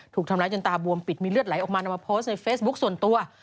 ถูกทำร้ายจนตาบวมปิดมีเลือดไหลออกมานำมาโพสต์ในเฟซบุ๊คส่วนตัว